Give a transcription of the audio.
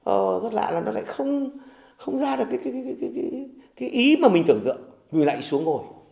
ờ rất lạ là nó lại không ra được cái ý mà mình tưởng tượng người lại xuống ngồi